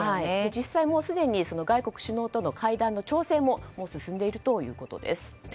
実際、すでに外国首脳との会談の調整も進んでいるということです。